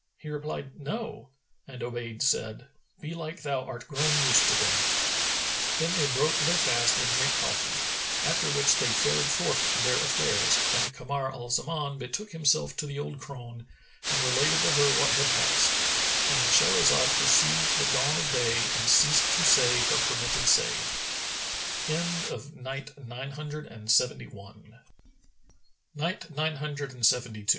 He replied, "No," and Obayd said, "Belike thou art grown used to them." Then they broke their fast and drank coffee, after which they fared forth to their affairs, and Kamar al Zaman betook himself to the old crone, and related to her what had passed,—And Shahrazad perceived the dawn of day and ceased to say her permitted say.